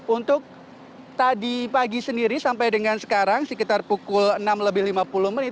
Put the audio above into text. untuk tadi pagi sendiri sampai dengan sekarang sekitar pukul enam lebih lima puluh menit